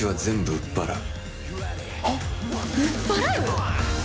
売っ払う？